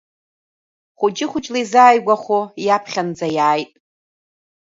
Хәыҷы-хәыҷла изааигәахо иаԥхьанӡа иааит.